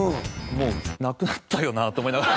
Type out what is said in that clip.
もうなくなったよなと思いながら。